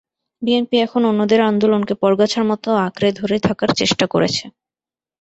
BNP এখন অন্যদের আন্দোলনকে পরগাছার মতো আঁকড়ে ধরে থাকার চেষ্টা করেছে।